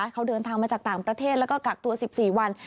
เขาเดินทางมาจากต่างประเทศแล้วก็กักตัว๑๔วัน